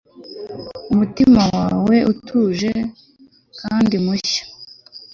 umutima wawe utuje kandi mushya